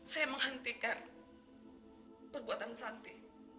saya menghentikan perbuatan santi